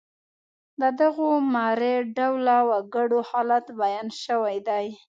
د دغو مري ډوله وګړو حالت بیان شوی دی.